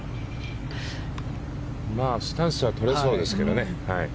スタンスは取れそうですけどね。